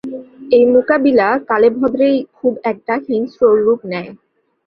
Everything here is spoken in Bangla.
এই মুকাবিলা কালেভদ্রেই খুব একটা হিংস্র রূপ নেয়।